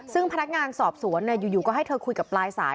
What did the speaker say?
ซึ่งพนักงานสอบสวนอยู่ก็ให้เธอคุยกับปลายสาย